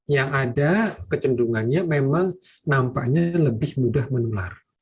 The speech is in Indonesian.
yang ada kecenderungannya memang nampaknya lebih mudah menular